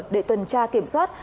để tuần tra kiểm soát